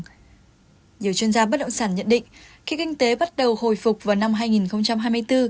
nhiều chuyên gia bất động sản nhận định khi kinh tế bắt đầu hồi phục vào năm hai nghìn hai mươi bốn